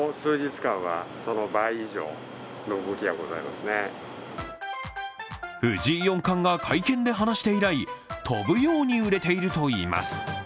しかし藤井四冠が会見で話して以来、飛ぶように売れているといいます。